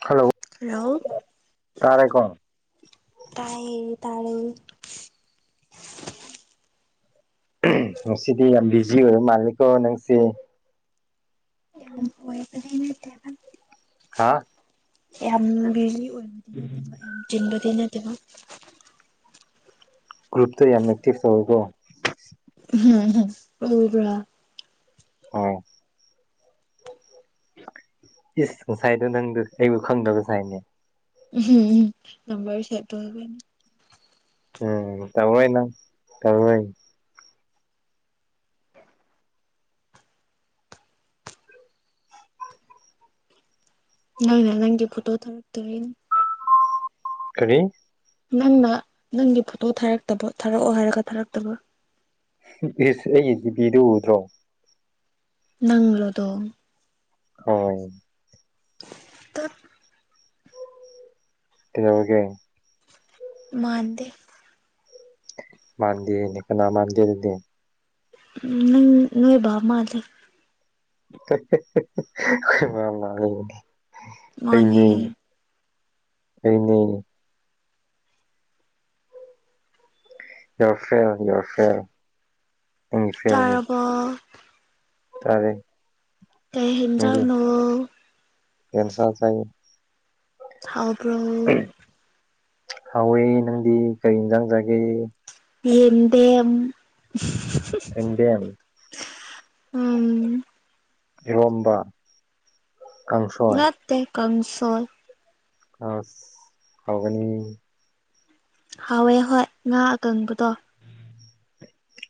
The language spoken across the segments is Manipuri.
ꯍꯜꯂꯣ ꯍꯂꯣ ꯇꯥꯔꯦꯀꯣ ꯇꯥꯏꯌ‌ꯦ ꯇꯥꯔꯦ꯫ ꯉꯁꯤꯗꯤ ꯌꯥꯝ ꯕꯤꯖꯤ ꯑꯣꯏꯕ ꯃꯥꯜꯂꯦꯀꯣ ꯅꯪꯁꯦ ꯣꯦꯠꯇꯦ ꯍꯥꯥ ꯌꯥꯝ ꯕꯤꯔꯖꯤ ꯑꯣꯏꯕꯗꯤ ꯅꯠꯇꯦꯕ ꯌꯥꯝ ꯆꯤꯟꯕꯗꯤ ꯅꯠꯇꯦꯕ꯫ ꯒ꯭ꯔꯨꯞꯇ ꯌꯥꯝ ꯑꯦꯛꯇꯤꯞ ꯑꫭꯏꯕ꯭ꯔꫭ꯫ ꯎꯝꯝ ꯑꯣ ꯄꯨ ꯑꯣ ꯏꯁ ꯉꯁꯥꯏꯗꯣ ꯅꯪꯗ ꯑꯩꯕꯨ ꯈꯪꯗꯕ ꯉꯁꯥꯏꯅꯦ ꯎꯝ ꯅꯝꯕꯔ ꯁꯦꯞ ꯇꯧꯗꯕꯤ꯫ ꯎꯝ ꯇꯧꯔꫭꯏ ꯅꯪ ꯇꯧꯔꫭꯏ꯫ ꯅꯅꯦ ꯅꯪꯒꯤ ꯐꯣꯇꯣ ꯊꯥꯔꯛꯛꯇꯦꯅꯦ ꯀꯔꯤ ꯅꯪꯅ ꯅꯪꯒꯤ ꯐꯣꯇꯣ ꯊꯥꯔꯛꯇꯕ ꯊꯥꯔꯛꯑꯣ ꯍꯥꯏꯔꯒ ꯊꯥꯔꯛꯇꯕ꯫ ꯑꯩ ꯕꯤꯗꯨ ꯎꯗ꯭ꯔꯣ ꯅꯪꯂꯣꯗꯣ ꯍ ꯇꯠ ꯍꯧꯒꯦ ꯃꯥꯥꯟꯗ ꯃꯥꯟꯗꯅ‌ꯦ ꯀꯅꯥ ꯃꯥꯟꯗ‌ꯦ ꯑꯗꯨꯗꯤ꯫ ꯅꯪ ꯅꯣꯏ ꯕꯥ ꯃꯥꯜꯂꯤ꯫ ꯃꯥꯅꯦ ꯑꯩꯅꯤ꯫ ꯑꯩꯅꯦ ꯖꯔꯐꯦꯦꯜ ꯌꯖꯔꯐꯦꯦꯜ ꯇꯥꯔꯕꯣ꯫ ꯇꯥꯔꯦ ꯀꯩ ꯍꯖꯥꯎꯅꯣ ꯀꯦꯟꯁ ꯆꯥꯏ ꯊꯥꯎꯕ꯭ꯔꯣ꯫ ꯍꯥꯎꯋꯦ ꯅꯪꯗꯤ ꯀꯩ ꯏꯟꯖꯥꯡ ꯆꯒꯦ꯫ ꯑꯦꯗ ꯌꯦꯟꯗꯦꯝ ꯎꯝ꯫ ꯏꯔꯣꯝꯕ ꯀꯥꯡꯁꯣꯏ ꯇꯩ ꯀꯝꯁꯣꯣꯔ ꯀꯥꯁ ꯐꯥꯎꯒꯅꯤ ꯍꯥꯎꯋꯦ ꯍꯣꯏ ꯉꯥ ꯑꯀꯪꯕꯗꯣ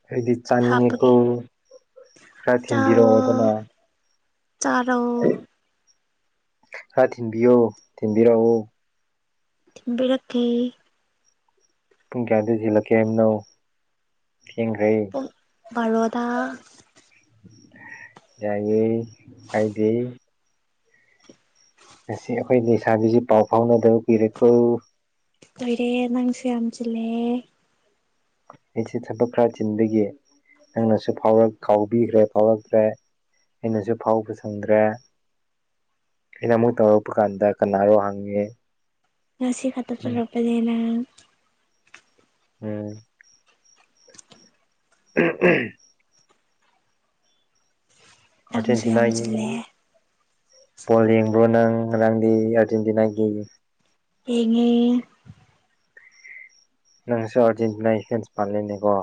ꯍꯥꯏꯗꯤ ꯆꯥꯅꯤꯡꯉꯛꯀꯨ ꯍꯥꯞꯄꯒꯤ ꯈꯔ ꯊꯤꯟꯕꯤꯔꯛꯑꯣ ꯑꯗꯨꯅ ꯆꯔꯣ ꯍꯥ ꯊꯤꯟꯕꯤꯌꯣ ꯊꯤꯟꯕꯤꯔꯛꯑꯣ ꯊꯝꯕꯤ ꯔꯈꯦ ꯄꯨꯡ ꯀꯌꯥꯗꯒꯤ ꯌ‌ꯦꯜꯂꯛꯀꯦ ꯍꯥꯏꯅꫭ ꯊꯦꯡꯈ꯭ꯔꯦ꯫ ꯕꯔꯣꯗ꯫ ꯌꯥꯏꯌ‌ꯦ ꯍꯥꯏꯗꯤ꯫ ꯉꯁꯤ ꯑꯈꯣꯏꯗꯤ꯫ ꯁꯥꯕꯤꯁꯤ ꯄꯥꯎ ꯐꯥꯎꯅꯗꯧ ꯀꯤꯔꯦꯀꯣ ꯑꯩꯣꯏꯔꯦ ꯅꯪꯁ ꯌꯥꯝꯁꯤꯂꯦ ꯑꯩꯁꯦ ꯊꯕꯛ ꯈꯔ ꯆꯤꯟꯗꯒꯤ ꯅꯪꯅꯁꯨ ꯐꯥꯎ ꯀꯥꯎꯕꯤꯈ꯭ꯔꯦ ꯐꯥꯎꯔꯛꯇ꯭ꯔꯦ ꯑꯩꯅꯁꯨ ꯐꯥꯎꯕ ꯆꯪꯗ꯭ꯔꯦ ꯑꯩꯅ ꯑꯃꯨꯛ ꯇꯧꯔꯛꯄ ꯀꯥꯟꯗ ꯀꯅꯥꯔꯣ ꯍꯪꯉꯦ ꯉꯁꯤ ꯎꯝ ꯈꯥꯁꯨꯂꯄꯦ ꯂꯩꯅ ꯎꯝ ꯎꯝ ꯎꯝ ꯅꯪꯁꯨ ꯌꯥꯝ ꯑꯔꯖꯦꯟꯇꯤꯅꯥꯒꯤ꯫ ꯆꯤꯜꯂꯦ ꯄꯣꯜ ꯌꯦꯡꯕ꯭ꯔꯣ ꯅꯪ ꯅꯪꯗꯤ ꯑꯥꯔꯖꯦꯟꯇꯤꯅꯥꯒꯤ ꯌꯦꯉ ꯅꯪꯁꯨ ꯑꯔꯖꯦꯟꯇꯤꯅꯥ ꯏꯐꯦꯟꯁ ꯄꯥꯟꯂꯤꯦꯅꯦꯀꯣ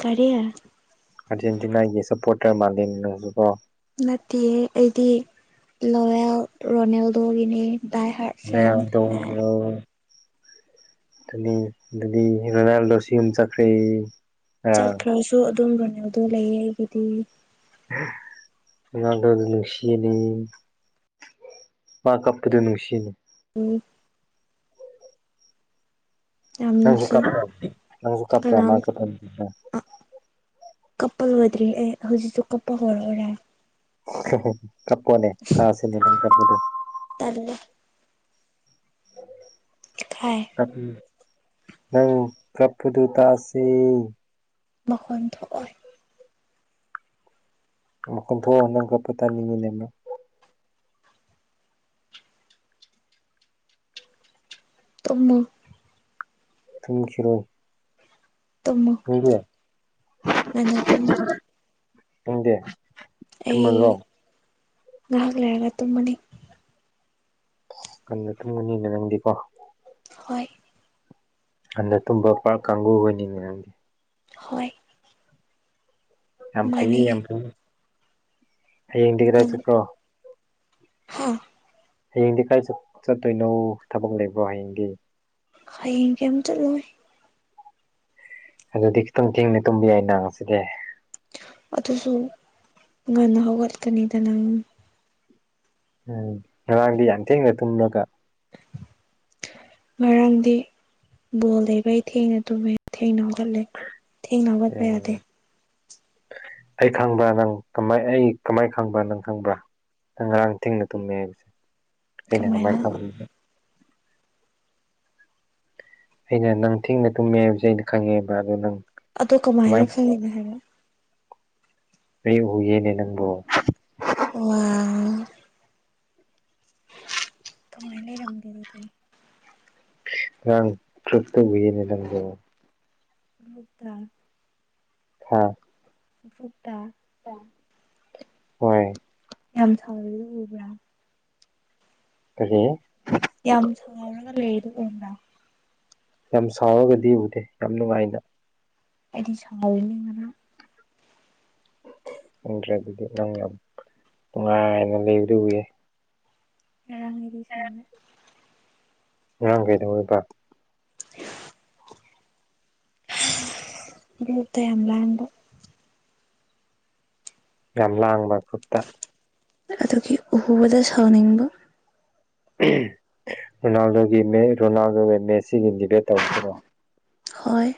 ꯀꯔꯤ꯫ ꯑꯔꯖꯦꯟꯇꯤꯅꯥꯒꯤ ꯁꯄꯣꯔꯇꯔ ꯃꯥꯜꯂꯤ ꯅꯪꯁꯨꯀꯣ꯫ ꯅꯠꯇꯦ ꯑꯩꯗꯤ ꯂꯣꯋꯦꯜ ꯔꯣꯅꯦꯜꯗꯣꯒꯤꯅꯤ ꯗꯥꯏ ꯍꯥꯊ ꯐꯥꯟ ꯔꯣꯅꯥꯜꯗꯣ ꯑ ꯑꯗꯨꯗꯤ ꯑꯗꯨꯗꯤ ꯔꯣꯅꯥꯜꯗꯣꯁꯤ ꯑꯃꯨꯝ ꯆꯠꯈ꯭ꯔꯦ ꯉꯔꯥꯡ ꯆꯠꯈ꯭ꯔꯁꯨ ꯑꯗꯨꯝ ꯔꯣꯅꯦꯜꯗꯣ ꯂꯩꯌꯦ ꯑꯩꯒꯤꯗꯤ [unintelligible] ꯃꯥ ꯀꯞꯄꯗ ꯅꯨꯡꯁꯤꯅꯤ ꯎꯝ ꯌꯥꯝ ꯅꯪꯁꯨ ꯅꯨꯡꯁꯤ ꯀ ꯅꯪꯁꯨ ꯀꯄ ꯀꯅꯥꯝ ꯃꯥ ꯀꯞꯄꯅꯤꯅ꯫ ꯀꯞꯄ ꯉꯣꯏꯗ꯭ꯔꯤ ꯑꯦ ꯍꯧꯖꯤꯛꯁꯨ ꯀꯞꯄ ꯍꯧꯔꯛꯎꯔꯦ ꯀꯞꯄꫭꯅꫭ ꯇꯥꯁꯤꯅ‌ꯦ ꯅꯪꯀꯞꯄꯗꫭ ꯇꯜꯂ‌ꯦ ꯊꯥꯏ꯫ ꯅꯪ ꯀꯞꯄꯗꯨꯨ ꯇꯥꯁ‌ꯦ꯫ ꯃꯈꯣꯟ ꯊꯣꯛꯑꫭꯏ꯫ ꯀꯨꯟꯊꯣꯛꯑꯒ ꯅꯪ ꯀꯛꯄ ꯇꯥꯅꯤꯡꯉꯤꯅꯦꯅ ꯇꯃ ꯊꯨꯝꯈꯤꯔꯣꯏ ꯇꯃ ꯍ ꯍ ꯃꯅꯥ ꯇꯃ ꯍꯗꯤꯦ ꯑꯩ ꯉꯥꯏ ꯍꯥꯛ ꯂꯏꯔꯒ ꯇꯨꯃꯝꯅꯤ ꯀꯟꯅ ꯈꯪꯒꯅꯤꯅ ꯅꯪꯗꯤꯀꯣ ꯍꯣꯏ ꯍꯟꯗ ꯇꯨꯝꯕ ꯄꯨꯔ ꯀꯥꯡꯒꯕꯨ ꯑꯣꯏꯅꯤꯅꯦ ꯅꯪꯗꯤ ꯍꯣꯏ ꯌꯥꯝ ꯃꯥꯅꯦ ꯐꯩꯌꯦ ꯌꯥꯝ ꯐꯩ ꯍꯌꯦꯡꯗꯤꯒꯗ ꯆꯠꯀ꯭ꯔꯣ ꯍꯥꯥ ꯍꯌꯦꯡꯗꯤ ꯀꯥꯏ ꯆꯠꯇꯣꯏꯅꯣ ꯊꯕꯛ ꯂꯩꯕ꯭ꯔꯣ ꯍꯌꯦꯡꯗꯤ ꯍꯌꯦꯡ ꯀꯩꯝ ꯆꯠꯂꯣꯏ ꯑꯗꯨꯗꯤ ꯈꯤꯇꯪ ꯊꯤꯡꯅ ꯇꯨꯝꯕ ꯌꯥꯏ ꯅꯥꯡꯁꯤꯗꯤ ꯑꯗꯨꯁꯨ ꯉꯟꯅ ꯍꯧꯒꯠꯀꯅꯤꯗ ꯅꯪ ꯎꯝ ꯉꯔꯥꯡꯗꯤ ꯌꯥꯝꯊꯦꯡꯅ ꯇꯨꯝꯂꯒ ꯉꯔꯥꯡꯗꯤ ꯕꯣꯜ ꯂꯩꯕꯩ ꯊꯦꯡꯅ ꯇꯨꯝꯃꯦ ꯊꯦꯡꯅ ꯍꯧꯒꯠꯂꯦ ꯊꯦꯡꯅ ꯍꯧꯒꯠꯄ ꯌꯥꯗꯦ ꯑꯣꯝ ꯑꯩ ꯈꯪꯕ꯭ꯔꯥ ꯅꯪ ꯀꯃꯥꯏ ꯑꯩ ꯀꯃꯥꯏꯅ ꯈꯪꯕ꯭ꯔꯥ ꯅꯪ ꯈꯪꯕ꯭ꯔꯥ ꯅꯪ ꯉꯔꯥꯡ ꯊꯤꯡꯅ ꯇꯨꯝꯃꯦ ꯍꯥꯏꯕꯁꯦ ꯑꯩꯅ ꯀꯃꯥꯏꯅ ꯐ ꯑꯩꯅ ꯅꯪ ꯊꯦꯡꯅ ꯇꯨꯝꯃꯦ ꯍꯥꯏꯕꯁꯦ ꯑꯩꯅ ꯈꯪꯉꯦꯕ ꯑꯗꯣ ꯅꯪ ꯑꯗꯣ ꯀꯃꯥꯏꯅ ꯈꯪꯜꯂꯤꯅ ꯍꯥꯏꯕ ꯑꯦ ꯎ ꯌꯦꯦꯅꯦ ꯅꯪꯕꯨꯣ ꯑ ꯀꯃꯥꯏꯅ ꯂꯩꯔꯝꯒꯦ ꯑꯗꯨꯗꯤ ꯔꯥꯡ ꯆꯛꯇ ꯅꯔꯪꯕ ꯗ ꯍꯥ ꯐꯨꯛꯇ ꯍꯣꯏ ꯌꯥꯝ ꯁꯥꯎꯋꯦꯗꯣ ꯎꯕ꯭ꯔꯥ ꯀꯔꯤ ꯌꯥꯝ ꯁꯥꯎꯔꯒ ꯂꯩꯗ ꯑꯣꯗ ꯌꯥꯝ ꯁꯥꯎꯔꯒꯗꯤ ꯎꯗꯦ ꯌꯥꯝ ꯅꯨꯡꯉꯥꯏꯅ ꯍꯥꯏꯗꯤ ꯁꯥꯏꯔꯤꯅꯤ ꯉꯥꯡ ꯈꯪꯗ꯭ꯔꯦ ꯑꯗꯨꯗꯤ ꯅꯪ ꯌꯥꯝ ꯅꯨꯡꯉꯥꯏꯅ ꯂꯩꯕꯗꯤ ꯎꯏꯌꯦ ꯑꯦꯔꯥꯡ ꯑꯦꯔꯤ ꯁꯅ ꯑꯉꯥꯡ ꯀꯩꯗꯧ ꯑꯣꯏꯕ ꯇ ꯌꯥꯝ ꯌꯥꯝ ꯂꯕ ꯌꯥꯝ ꯂꯥꯡꯕ ꯈꯨꯠꯇ ꯑꯗꯨꯒꯤ ꯎꯍꯨꯕꯗ ꯁꯥꯥꯎꯅꯤꯡꯕ ꯔꯣꯅꯥꯜꯗꯣꯒꯤ ꯔꯣꯅꯥꯜꯗꯣꯒ ꯃꯦꯁꯤꯒꯤ ꯗꯤꯕꯦꯠ ꯇꯧꯈꯤꯕ꯭ꯔꯣ ꯍꯣꯏ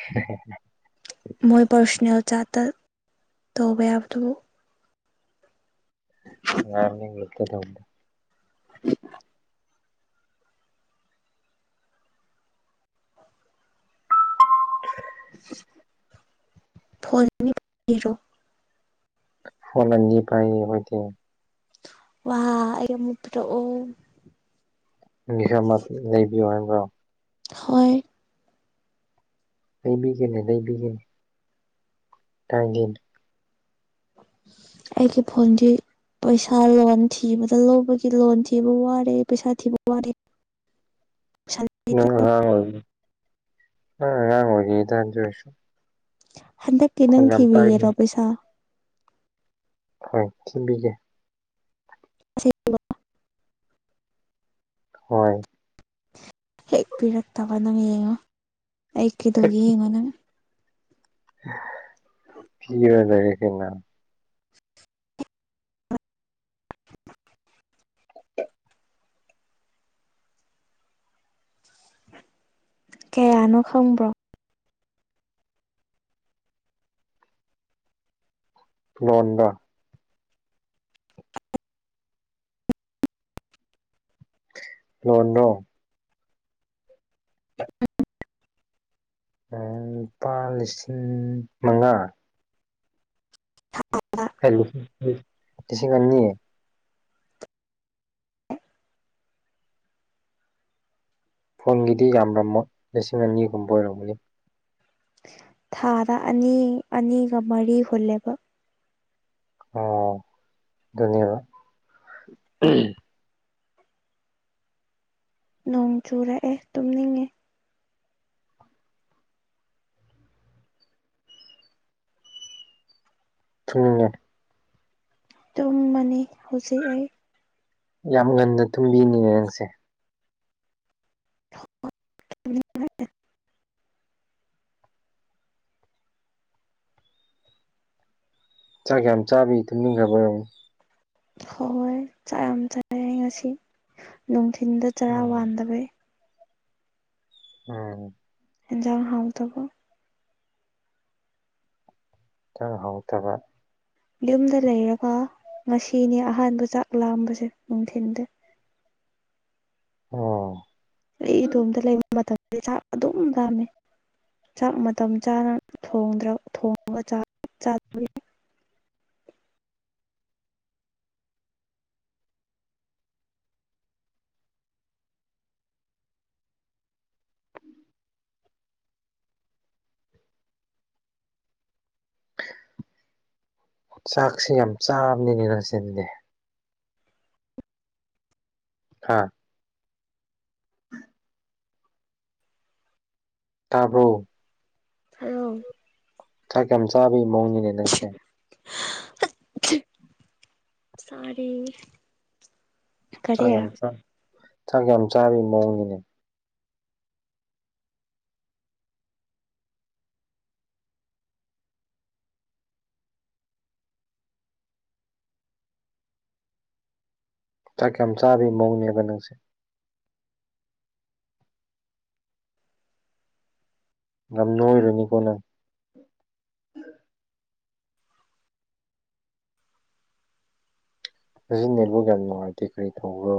ꯍ ꯍ ꯃꯣꯏ ꯄꯥꯔꯁꯣꯅꯦꯜ ꯆꯥꯠꯇ ꯇꯧꯕ ꯌꯥꯕꯗꯨꯕꯨ ꯉꯔ [inaudible] ꯐꯣꯟꯅꯤꯕꯤꯔꯣ ꯍꯣꯂꯅꯤ ꯄꯥꯏ ꯑꯣꯏꯗꯤ ꯋꯥ ꯑꯠꯇ꯭ꯔ ꯑꯣ ꯃꯤꯁ ꯑꯃ ꯂꯩꯕꯤꯌꯨ ꯍꯥꯏꯕ꯭ꯔꯣ ꯍꯣꯏ ꯂꯩꯕꯤꯒꯦꯅꯤ ꯂꯩꯕꯤꯒꯦꯅꯤ ꯇꯥꯡꯒꯤꯟ ꯑꯩꯒꯤ ꯐꯣꯟꯁꯤ ꯄꯩꯁꯥ ꯂꯣꯟ ꯊꯤꯕꯗ ꯂꯧꯕꯒꯤ ꯂꯣꯟ ꯊꯤꯕ ꯋꯥꯔꯦ ꯄꯩꯁꯥ ꯊꯤꯕ ꯋꯥꯔꯦ [inaudible] ꯄꯩꯁꯥ ꯂꯩꯇ꯭ꯔꯦ ꯥꯡꯉ ꯉꯉ ꯑꯣꯏꯗ ꯆꯣꯁꯣ ꯍꯟꯗꯛꯀꯤ ꯅꯪ ꯊꯤꯕꯒꯔꯣ ꯄꯥꯏꯒꯅꯨ ꯄꯩꯁꯥ ꯍ ꯊꯕꯤꯒꯦ ꯁꯤ ꯍꯣꯏ ꯍꯦꯛ ꯄꯤꯔꯛꯇꯕ ꯅꯪ ꯌꯦꯡꯉꯣ ꯍ ꯀꯗꯧꯒꯤ ꯌꯦꯡꯉꯣ ꯅꯪ ꯀ ꯑꯣꯏꯖꯒꯦ ꯀꯦꯅ ꯀꯌꯥꯅꯣ ꯈꯪꯕ꯭ꯔꯣ ꯂꯣꯉꯗ ꯂꯣꯟꯅꯣ ꯍ ꯂꯨꯄꯥ ꯂꯤꯁꯤꯡ ꯃꯉꯥ ꯍꯥ ꯈꯂ ꯇ ꯁꯤ ꯀꯅꯤꯌꯦ ꯐꯣꯟꯒꯤꯗꯤ ꯌꯥꯝꯔꯝꯃꯣ ꯂꯤꯁꯤꯡ ꯑꯅꯤꯒꯨꯝꯕ ꯑꯣꯏꯔꯝꯒꯅꯤ ꯊꯥꯗ ꯑꯅꯤ ꯑꯅꯤꯒ ꯃꯔꯤ ꯍꯨꯜꯂꯦꯕ ꯑꯣ ꯅ ꯅꯣꯡ ꯆꯨꯔꯛꯑꯦ ꯇꯨꯝꯅꯤꯡꯉꯦ ꯊꯨꯡꯉꯦ ꯇꯨꯝꯕꯅꯤ ꯍꯧꯖꯤꯛ ꯑꯩ ꯌꯥꯝ ꯉꯟꯅ ꯊꯨꯝꯕꯤꯅꯤꯉ ꯅꯪꯁꯦ [unintelligible] ꯆꯥꯛ ꯀꯌꯥꯝ ꯆꯥꯕꯤ ꯊꯨꯝꯅꯤꯡꯈꯕꯔꯣ ꯍ ꯍꯣꯏ ꯆꯥꯛ ꯌꯥꯝ ꯆꯥꯦ ꯉꯁꯤ ꯅꯨꯡꯊꯤꯟꯜꯗ ꯆꯔꯥ ꯎꯝ ꯋꯥꯟꯗꯕꯩ ꯎꯝ ꯖꯥꯡ ꯍꯥꯎꯇꯧꯕ ꯏꯈꯤꯇꯪ ꯍꯥꯎꯗꯕ ꯌꯨꯝꯗ ꯂꯩꯔꯒ ꯉꯁꯤꯅꯦ ꯑꯍꯥꯟꯕ ꯆꯥꯛ ꯂꯥꯝꯕꯁꯦ ꯅꯨꯡꯊꯤꯟꯗꯦ ꯑꯣ ꯑꯩ ꯏꯇꯣꯝꯇ ꯂꯩꯕ ꯃꯇꯝꯗ ꯆꯥꯛ ꯑꯗꯨꯝ ꯂꯥꯝꯃꯦ ꯆꯥꯛ ꯃꯇꯝ ꯆꯥꯅ ꯊꯣꯡꯉ ꯆꯥꯕ ꯆꯥꯛꯁꯤ ꯌꯥꯝ ꯆꯥꯕꯅꯤꯅꯦ ꯅꯪꯁꯤꯅꯦ ꯍꯥꯥ ꯇꯥꯔꯣ ꯑꯣ ꯊꯥꯛ ꯀ ꯌꯥꯝ ꯆꯥꯕꯒꯤ ꯃꯑꯣꯡꯅꯤꯅꯦ ꯅꯪꯁꯦ ꯁꯔ ꯆꯥꯛ ꯌꯥꯝ ꯆꯥꯛ ꯀꯌꯥꯝ ꯆꯥꯔꯤ ꯃꯑꯣꯡꯅꯤꯅꯦ ꯆꯥꯛ ꯀꯌꯥꯝ ꯆꯥꯕꯒꯤ ꯃꯑꯣꯡꯅꯦꯕ ꯅꯪꯁꯦ ꯌꯥꯝ ꯅꯣꯏꯔꯨꯅꯤꯀꯣ ꯅ ꯑꯗꯨꯖꯤ ꯅꯦꯠꯕꯨ ꯭ꯌꯥ ꯅꯨꯡꯉꯥꯏꯇꯦ ꯀꯔꯤ ꯇꯧꯕ꯭ꯔꯣ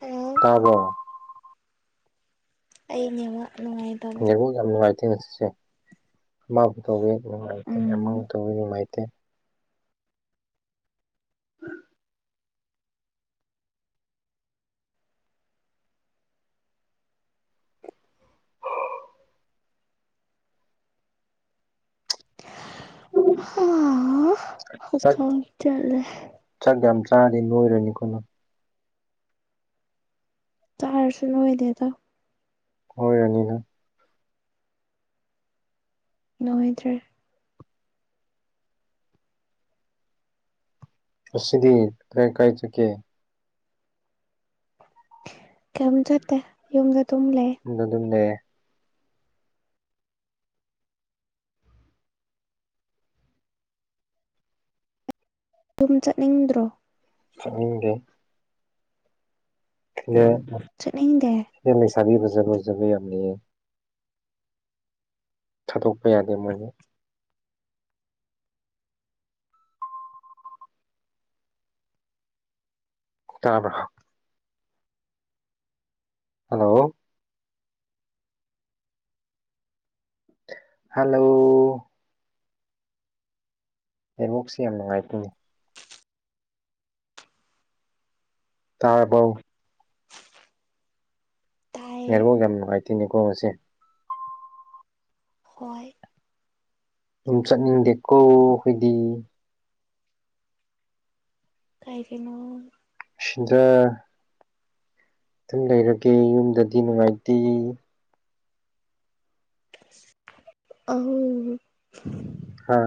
ꯍꯜꯂꯣ ꯇꯥꯕꯣ ꯑꯩꯉ ꯅꯨꯡꯉꯥꯏꯦ ꯉꯣ ꯌꯥꯝ ꯅꯨꯡꯉꯥꯏꯇꯦ ꯉꯁꯤꯁꯦ ꯑꯃꯕꯨ ꯇꯧꯕꯋꯤ ꯅꯨꯡꯉꯥꯏꯇꯦ ꯎꯝ ꯑꯃꯕꯨ ꯇꯧꯤ ꯅꯨꯡꯉꯥꯏꯇꯦ ꯠꯇ ꯎꯝ ꯆꯥꯛ ꯄ ꯆꯂꯦ ꯆꯥꯛ ꯌꯥꯝ ꯆꯥꯗꯤ ꯅꯣꯏꯔꯅꯤꯀꯣꯅ ꯇꯔꯁꯨ ꯑꯣꯏꯗꯦꯗ ꯍꯣꯏꯔꯅꯤ ꯅ ꯅꯨꯡꯉꯥꯏꯇ꯭ꯔꯦ ꯑꯁꯤꯗꯤ ꯀꯥꯏ ꯀꯥꯏ ꯆꯨꯀꯤꯦ ꯀꯩꯝ ꯆꯠꯇꯦ ꯌꯨꯝꯗ ꯑꯗꯨꯝ ꯂꯩ ꯑꯗꯨ ꯑꯗꯨꯦ ꯑꯗꯨꯨꯝ ꯆꯠꯅꯤꯡꯗ꯭ꯔꯣ ꯍꯒꯦ ꯑ ꯆꯠꯅꯗꯦ ꯁꯦꯝꯂꯤ ꯁꯥꯕꯤ ꯖꯔ ꯖ ꯃꯤ ꯌꯥꯝ ꯂꯩꯌꯦ ꯊꯥꯗꯣꯛꯄ ꯌꯥꯗꯦ ꯃꯣꯏꯅ ꯇꯥꯕ꯭ꯔꯣ ꯍꯜꯂꯣ ꯍꯜꯂꯣ ꯕꯣꯛꯁꯤꯦ ꯌꯥꯝ ꯅꯨꯡꯉꯥꯏꯇꯅꯦ ꯇꯥꯔꯦꯕꯧ ꯇꯥꯏꯌꯦ ꯉꯥꯏꯔꯤꯐꯣꯛ ꯌꯥꯝ ꯅꯨꯡꯉꯥꯏꯇꯦꯅꯤꯀꯣ ꯉꯁꯦ ꯍꯣꯏ ꯑꯗꯨꯝ ꯆꯠꯅꯤꯡꯗꯦꯀꯣ ꯑꯩꯈꯣꯏꯗꯤ ꯀꯥꯏꯒꯤꯅ ꯁꯤꯖꯔ ꯑꯗꯨꯝ ꯂꯩꯔꯒꯦ ꯌꯨꯝꯗꯗꯤ ꯅꯨꯡꯉꯥꯏꯇꯦ ꯑ ꯍꯥ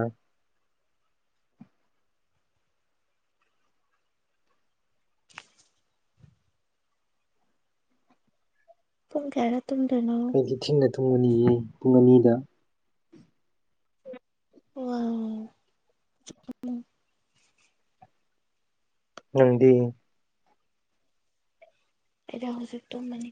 ꯨꯡ ꯈꯦꯔ ꯊꯗꯅꯣ ꯑꯩ ꯏ ꯊꯤꯅ ꯊꯨꯡ ꯑꯅꯤꯌꯦ ꯄꯨꯡ ꯑꯅꯤꯗ ꯑꯣ ꯅꯪꯗꯤ ꯑꯩꯗ ꯍꯧꯖꯤꯛꯛꯇꯣ ꯃꯅꯤ